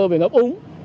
về ngấp úng